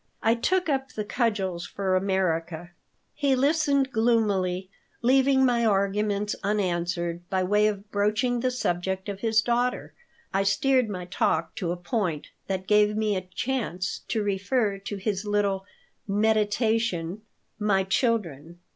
'" I took up the cudgels for America He listened gloomily, leaving my arguments unanswered. By way of broaching the subject of his daughter I steered my talk to a point that gave me a chance to refer to his little "meditation," "My Children."